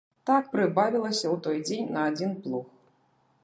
Так прыбавілася ў той дзень на адзін плуг.